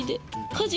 家事。